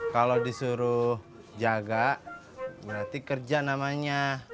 kalau disuruh jaga berarti kerja namanya